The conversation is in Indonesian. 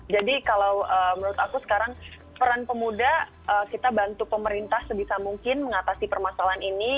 jadi kalau menurut aku sekarang peran pemuda kita bantu pemerintah sebisa mungkin mengatasi permasalahan ini